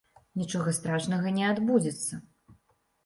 Нічога страшнага не адбудзецца.